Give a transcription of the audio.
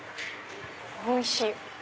おいしい！